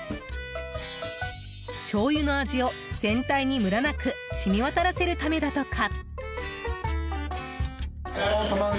しょうゆの味を全体にムラなく染み渡らせるためだとか。